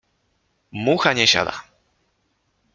Mucha nie siada.